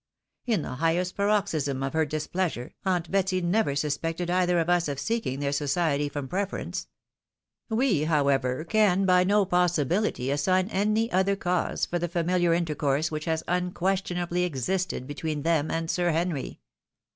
In the highest paroxysm of her displeasure. Aunt Betsy never suspected either of us of seeking their society from prefer ence. We, however, can by no possibility assign any other cause for the familiar intercourse which has unquestionably existed between them and Sir Henry.